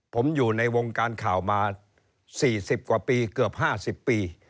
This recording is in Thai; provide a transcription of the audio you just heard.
ผมอยู่ในวงการข่าวมาสี่สิบกว่าปีเกือบห้าสิบปี